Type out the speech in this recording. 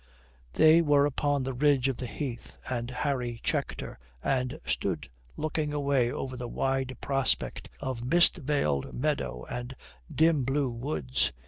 They were upon the ridge of the heath and Harry checked her, and stood looking away over the wide prospect of mist veiled meadow and dim blue woods.